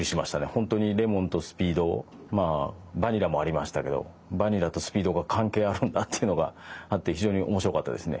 ほんとにレモンとスピードまあバニラもありましたけどバニラとスピードが関係あるんだっていうのがあって非常に面白かったですね。